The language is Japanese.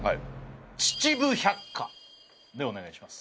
秩父百花でお願いします。